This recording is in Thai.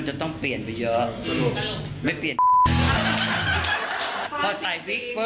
อ๋อใจลาย